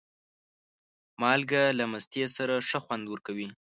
مالګه له مستې سره ښه خوند ورکوي.